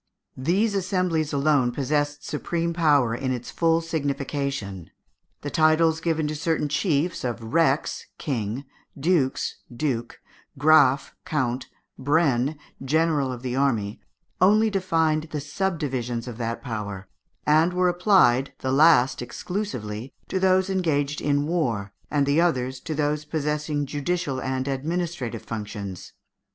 These assemblies alone possessed supreme power in its full signification. The titles given to certain chiefs of rex (king), dux (duke), graff (count), brenn (general of the army), only defined the subdivisions of that power, and were applied, the last exclusively, to those engaged in war, and the others to those possessing judicial and administrative functions.